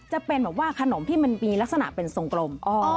จะเป็นแบบว่าขนมที่มันมีลักษณะเป็นทรงกลม